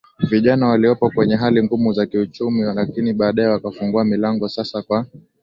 vijana waliopo kwenye hali ngumu za kiuchumi Lakini baadae wakafungua milango sasa kwa